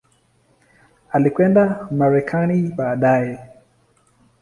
Alikwenda Marekani baadaye.